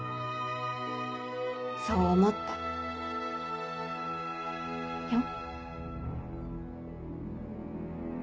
そう思ったよ。